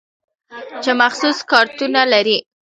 چې مخصوص کارتونه لري.